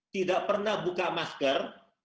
tidak pernah buka masker